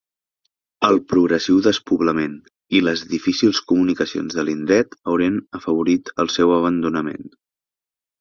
El progressiu despoblament i les difícils comunicacions de l'indret haurien afavorit el seu abandonament.